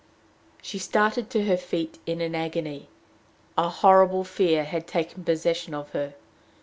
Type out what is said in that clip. She started to her feet in an agony: a horrible fear had taken possession of her.